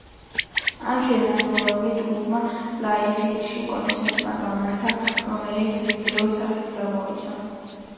ამ შემადგენლობით ჯგუფმა ლაიფციგში კონცერტი გამართა, რომელიც ვიდეოს სახით გამოიცა.